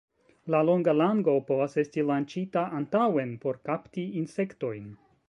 La longa lango povas esti lanĉita antaŭen por kapti insektojn.